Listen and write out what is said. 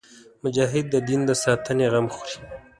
مجاهد د دین د ساتنې غم خوري.